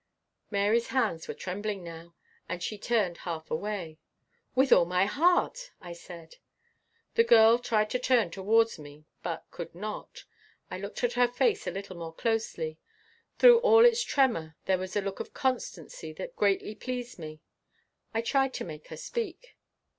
Mary's hands were trembling now, and she turned half away. "With all my heart," I said. The girl tried to turn towards me, but could not. I looked at her face a little more closely. Through all its tremor, there was a look of constancy that greatly pleased me. I tried to make her speak.